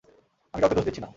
আমি কাউকে দোষ দিচ্ছি না।